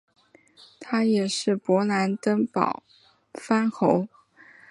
他也是勃兰登堡藩侯。